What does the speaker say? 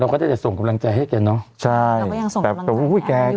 เราก็ได้ส่งกำลังใจให้กันเนาะ